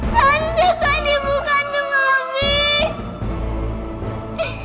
tanda kan ibu kandung abi